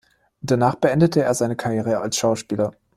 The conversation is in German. Danach beendete er seine Karriere als Schauspieler.